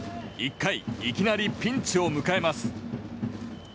１回いきなりピンチを迎えます。